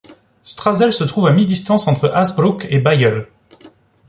Strazeele se trouve à mi-distance entre Hazebrouck et Bailleul.